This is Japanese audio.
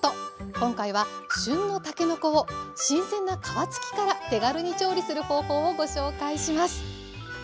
今回は旬のたけのこを新鮮な皮つきから手軽に調理する方法をご紹介します。